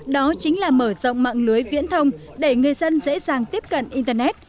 đó chính là mở rộng mạng lưới viễn thông để người dân dễ dàng tiếp cận internet